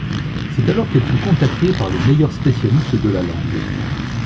C’est alors qu’elle fut contactée par les meilleurs spécialistes de la langue